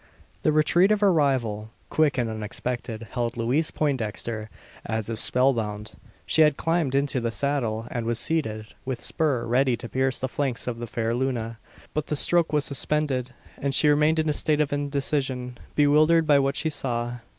The retreat of her rival quick and unexpected held Louise Poindexter, as if spell bound. She had climbed into the saddle, and was seated, with spur ready to pierce the flanks of the fair Luna. But the stroke was suspended, and she remained in a state of indecision bewildered by what she saw.